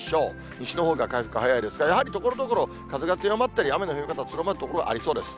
西のほうが回復早いですが、やはりところどころ、風が強まったり、雨の降り方強まる所がありそうです。